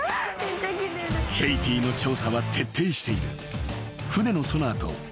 ［ケイティの調査は徹底している］